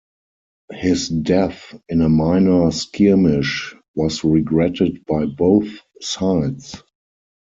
His death in a minor skirmish was regretted by both sides.